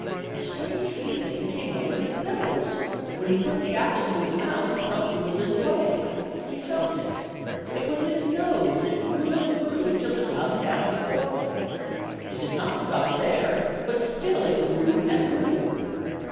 A strange feeling came over his nose: when he put the apple to his mouth something was in the way; he felt it: it was his nose, that grew and grew till it hung down before him. It did not stop there, but still it grew and grew.